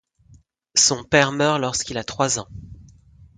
Son père meurt lorsqu'il a trois ans.